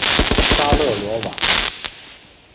沙勒罗瓦。